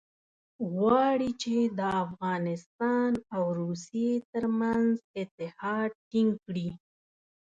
غواړي چې د افغانستان او روسیې ترمنځ اتحاد ټینګ کړي.